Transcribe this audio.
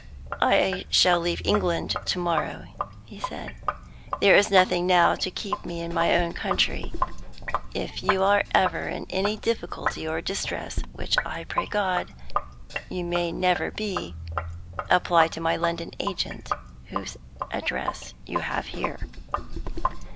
"I shall leave England to morrow," he said. "There is nothing now to keep me in my own country. If you are ever in any difficulty or distress (which I pray God you may never be), apply to my London agent, whose address you have there."